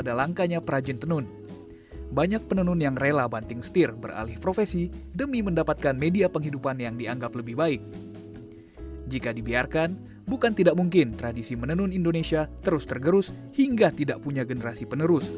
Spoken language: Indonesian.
dan kekayaan sumber daya tenun yang berlimpah ruah ini justru berbanding terbalik dengan rakyat